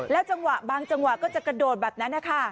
จังหวะบางจังหวะก็จะกระโดดแบบนั้นนะคะ